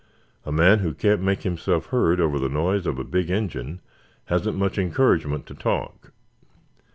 A man who can't make himself heard over the noise of a big engine hasn't much encouragement to talk.